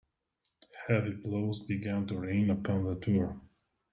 Heavy blows began to rain upon the door.